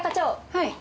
はい。